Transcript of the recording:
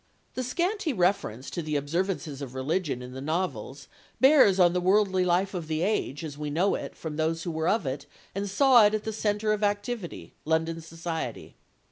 The scanty reference to the observances of religion in the novels bears on the worldly life of the age, as we know it from those who were of it and saw it at its centre of activity, London society.